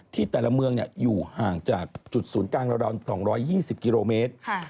ที่แต่ละเมืองอยู่ห่างจากจุดศูนย์กลางราว๒๒๐กิโลเมตร